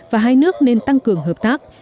và hai nước nên tăng cường hợp tác